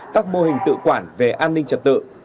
các mô hình tự quản về an ninh trật tự